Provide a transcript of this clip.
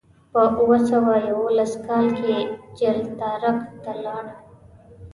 په اوه سوه یوولس کال کې جبل الطارق ته لاړ.